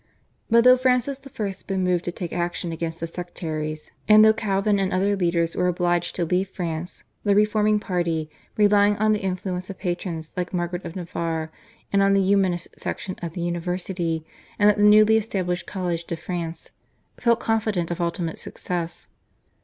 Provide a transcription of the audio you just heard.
But though Francis I. had been moved to take action against the sectaries, and though Calvin and other leaders were obliged to leave France, the reforming party, relying on the influence of patrons like Margaret of Navarre and on the Humanist section at the university and at the newly established College de France, felt confident of ultimate success.